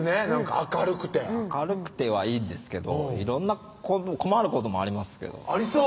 明るくて明るくてはいいんですけど色んな困ることもありますけどありそう！